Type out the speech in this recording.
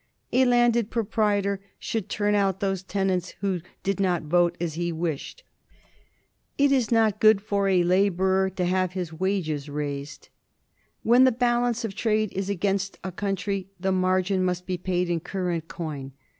"A landed proprietor should turn out those tenants who did not vote as he wished." "It is not good for a labourer to have his wages raised." "When the balance of trade is against a country, the margin must be paid in current coin."